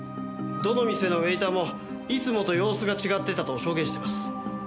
どの店のウエイターもいつもと様子が違ってたと証言しています。